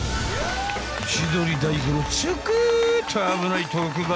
千鳥大悟のちょこっと危ない特番